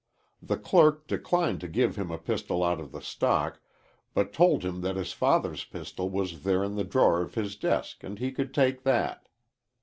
The clerk declined to give him a pistol out of the stock, but told him that his father's pistol was there in a drawer of his desk and he could take that.